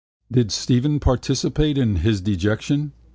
Did Stephen participate in his dejection?